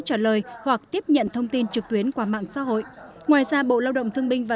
trả lời hoặc tiếp nhận thông tin trực tuyến qua mạng xã hội ngoài ra bộ lao động thương binh và